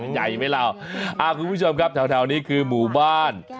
ใหญ่ไหมล่ะคุณผู้ชมครับแถวแถวนี้คือหมู่บ้าน